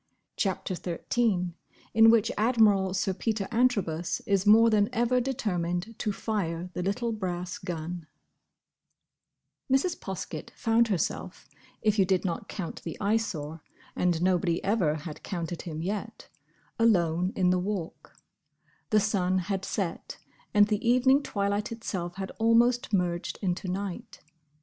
*CHAPTER XIII* *IN WHICH ADMIRAL SIR PETER ANTROBUS IS MORE THAN EVER DETERMINED TO FIRE THE LITTLE BRASS GUN* [Illustration: Chapter XIII headpiece] Mrs. Poskett found herself—if you did not count the Eyesore: and nobody ever had counted him, yet—alone in the Walk. The sun had set, and the evening twilight itself had almost merged into night.